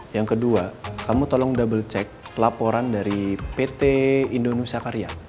yang kedua kamu tolong double cek laporan dari pt indonesia karya